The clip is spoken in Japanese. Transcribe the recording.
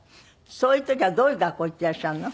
そういう時はどういう学校行ってらっしゃるの？